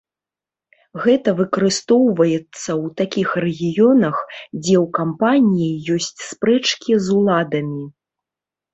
Гэта выкарыстоўваецца ў такіх рэгіёнах, дзе ў кампаніі ёсць спрэчкі з уладамі.